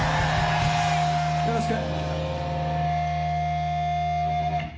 よろしく。